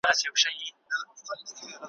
ډار به واچوي په زړوکي ,